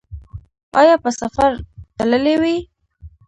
ایا په سفر تللي وئ؟